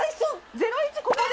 ゼロイチここで。